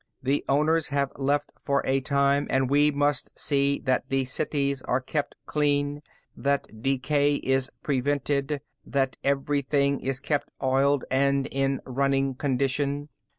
The owners have left for a time, and we must see that the cities are kept clean, that decay is prevented, that everything is kept oiled and in running condition.